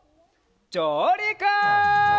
じょうりく！